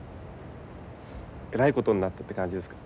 えらいことになったって感じですか？